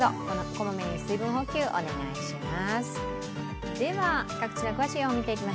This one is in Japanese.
こまめに水分補給、お願いします。